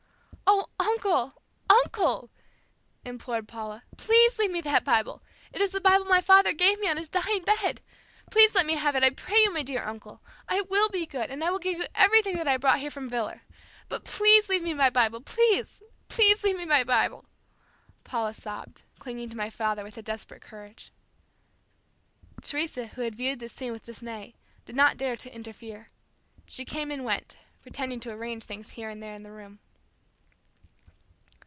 "Oh, uncle, uncle!" implored Paula, "please leave me that Bible! It is the Bible my father gave me on his dying bed! Please let me have it, I pray you, my dear uncle! I will be good, and I will give you everything that I brought here from Villar. But leave me my Bible, please! please! Leave me my Bible!" Paula sobbed, clinging to my father with a desperate courage. Teresa, who had viewed this scene with dismay, did not dare to interfere. She came and went, pretending to arrange things here and there in the room.